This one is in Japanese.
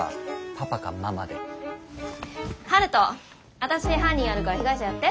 私犯人やるから被害者やって。